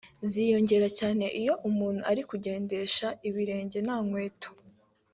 ziyongera cyane iyo umuntu ari kugendesha ibirenge nta kweto